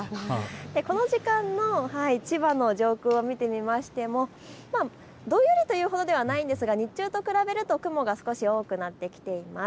この時間の千葉の上空を見てみましてもどんよりというほどではないんですが日中と比べると雲が少し多くなっています。